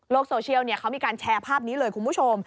โซเชียลเขามีการแชร์ภาพนี้เลยคุณผู้ชม